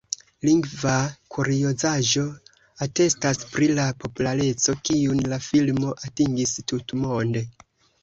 Lingva kuriozaĵo atestas pri la populareco kiun la filmo atingis tutmonde.